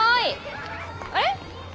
あれ？